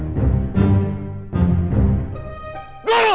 tunggu aku guru